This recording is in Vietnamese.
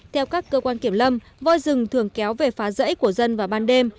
theo các cơ quan kiểm lâm voi rừng thường kéo về phá rẫy của dân vào ban đêm